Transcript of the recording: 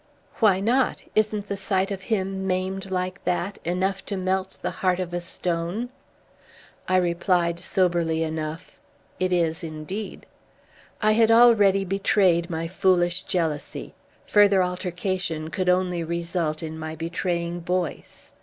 "Why not? Isn't the sight of him maimed like that enough to melt the heart of a stone?" I replied soberly enough. "It is indeed." I had already betrayed my foolish jealousy. Further altercation could only result in my betraying Boyce.